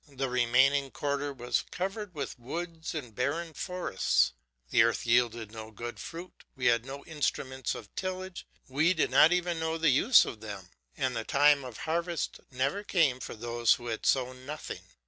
The remaining quarter was covered with woods and barren forests. The earth yielded no good fruit, we had no instruments of tillage, we did not even know the use of them, and the time of harvest never came for those who had sown nothing.